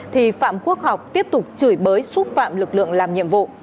thì phạm quốc học tiếp tục chửi bới xúc phạm lực lượng làm nhiệm vụ